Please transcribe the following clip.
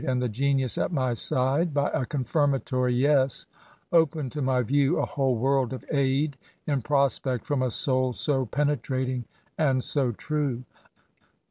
and the genius at my side, by A confirmatory " Yes," opened to my view a idiole world 6£ aid in prospect from a soul so penetrating and so true.